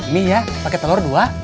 mia pake telur dua